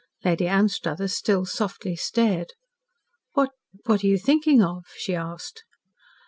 Lady Anstruthers still softly stared. "What what are you thinking of?" she asked.